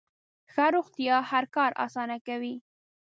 ښه روغتیا هر کار اسانه کوي.